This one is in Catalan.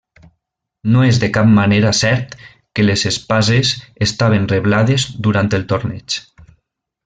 No és de cap manera cert que les espases estaven reblades durant el torneig.